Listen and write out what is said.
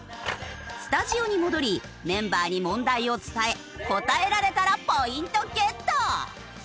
スタジオに戻りメンバーに問題を伝え答えられたらポイントゲット！